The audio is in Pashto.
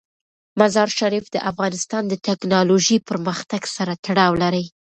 مزارشریف د افغانستان د تکنالوژۍ پرمختګ سره تړاو لري.